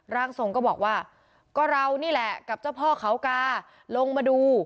ร่างทรงก็บอกว่าก็เรานี่แหละกับเจ้าพ่อเขากาลงมาดู